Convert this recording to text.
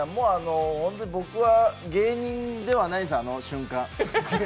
僕は芸人ではないです、あの瞬間。